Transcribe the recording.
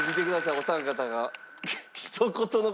お三方が。